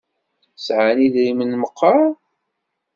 Sɛan idrimen meqqar?